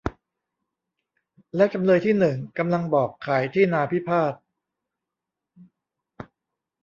แล้วจำเลยที่หนึ่ง กำลังบอกขายที่นาพิพาท